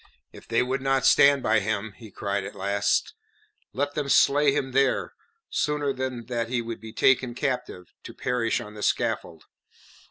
If they would not stand by him, he cried at last, let them slay him there, sooner than that he should be taken captive to perish on the scaffold.